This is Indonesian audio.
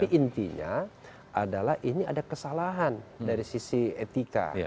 tapi intinya adalah ini ada kesalahan dari sisi etika